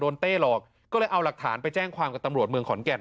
เต้หลอกก็เลยเอาหลักฐานไปแจ้งความกับตำรวจเมืองขอนแก่น